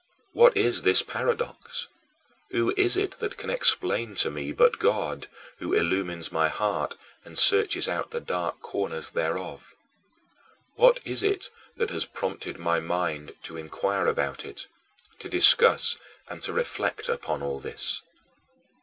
What is this paradox? Who is it that can explain it to me but God, who illumines my heart and searches out the dark corners thereof? What is it that has prompted my mind to inquire about it, to discuss and to reflect upon all this?